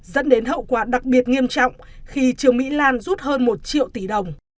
dẫn đến hậu quả đặc biệt nghiêm trọng khi trương mỹ lan rút hơn một triệu tỷ đồng